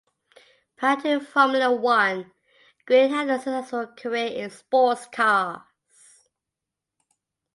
Prior to Formula One, Greene had a successful career in sportscars.